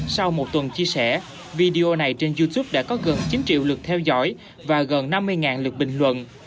sau một tuần chia sẻ video này trên youtube đã có gần chín triệu lượt theo dõi và gần năm mươi lượt bình luận